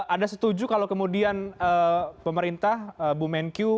anda setuju kalau kemudian pemerintah bu menkyu